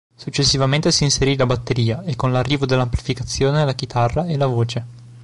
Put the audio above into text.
Successivamente si inserì la batteria e con l'arrivo dell'amplificazione la chitarra e la voce.